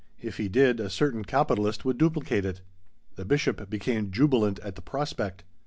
If he did, a certain capitalist would duplicate it. The Bishop became jubilant at the prospect.